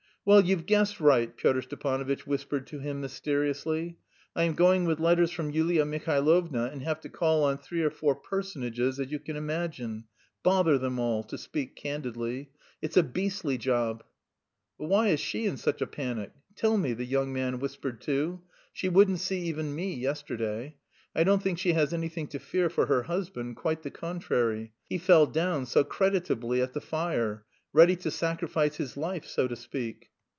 "Well, you've guessed right," Pyotr Stepanovitch whispered to him mysteriously. "I am going with letters from Yulia Mihailovna and have to call on three or four personages, as you can imagine bother them all, to speak candidly. It's a beastly job!" "But why is she in such a panic? Tell me," the young man whispered too. "She wouldn't see even me yesterday. I don't think she has anything to fear for her husband, quite the contrary; he fell down so creditably at the fire ready to sacrifice his life, so to speak."